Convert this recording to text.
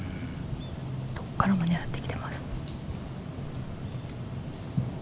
どこからも狙ってきています。